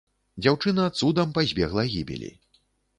Дзяўчына цудам пазбегла гібелі.